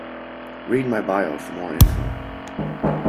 Read my bio for more info.